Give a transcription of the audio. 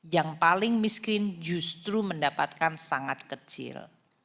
yang paling miskin justru mendapatkan sangat kecil